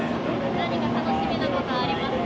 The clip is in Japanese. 何か楽しみなことはありますか？